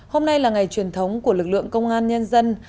hôm nay là ngày truyền thống của lực lượng công an nhân dân